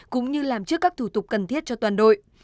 cũng như làm trước các thủ tục cần thiết cho toàn đội